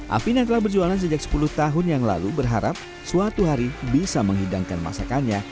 afin yang telah berjualan sejak sepuluh tahun yang lalu berharap suatu hari bisa menghidangkan masakannya